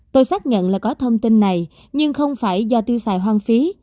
tôi xác nhận là có thông tin này nhưng không phải do tiêu xài hoang phí